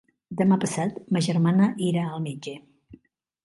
Demà passat ma germana irà al metge.